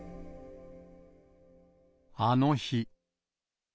あの日。